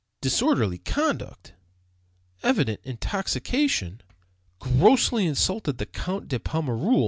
"Disorderly conduct," "evident intoxication," "grossly insulted the Count de Pommereul."